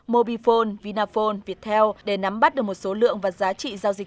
mobifone vinaphone viettel để nắm bắt được một số lượng và giá trị giao dịch